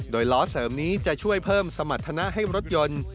โดยล้อเสริมนี้จะช่วยเพิ่มสมรรถนะให้รถยนต์